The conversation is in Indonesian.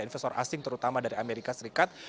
investor asing terutama dari amerika serikat